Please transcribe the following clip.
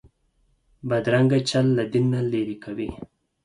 بدرنګه چل له دین لرې کوي